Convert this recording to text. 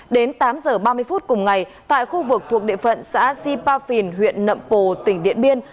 đến tám giờ ba mươi phút cùng ngày tại khu vực thuộc địa phận xã sipafin huyện nậm pồ tỉnh điện biên